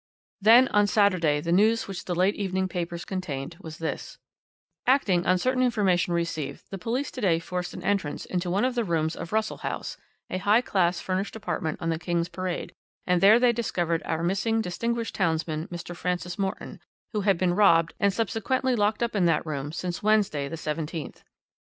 "Then on Saturday the news which the late evening papers contained was this: "'Acting on certain information received, the police to day forced an entrance into one of the rooms of Russell House, a high class furnished apartment on the King's Parade, and there they discovered our missing distinguished townsman, Mr. Francis Morton, who had been robbed and subsequently locked up in that room since Wednesday, the 17th.